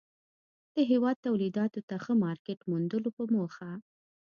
د هېواد توليداتو ته ښه مارکيټ موندلو په موخه